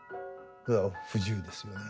だから不自由ですよね